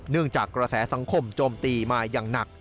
เนื่องจากกระแสสังคมจมตีมาอย่างหนัก